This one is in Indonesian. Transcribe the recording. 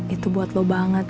itu buat lo banget